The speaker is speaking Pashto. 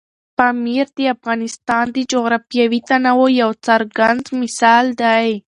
پامیر د افغانستان د جغرافیوي تنوع یو څرګند مثال دی.